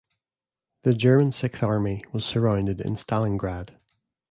The German Sixth Army was surrounded in Stalingrad.